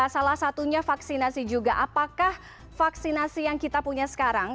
salah satunya vaksinasi juga apakah vaksinasi yang kita punya sekarang